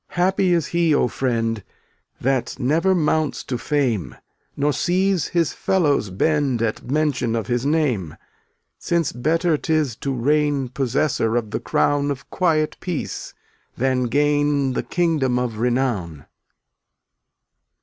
298 Happy is he, O friend, That never mounts to fame, Nor sees his fellows bend At mention of his name, Since better 'tis to reign Possessor of the crown Of quiet peace than gain The kingdom of renown.